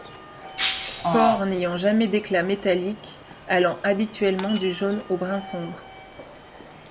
Corps n'ayant jamais d'éclat métallique, allant habituellement du jaune au brun sombre.